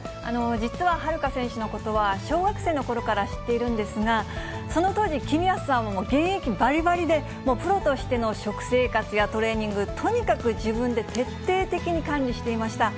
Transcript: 実は遥加選手のことは、小学生のころから知っているんですが、その当時、公康さん、現役ばりばりで、もうプロとしての食生活やトレーニング、とにかく自分で徹底的に管理していました。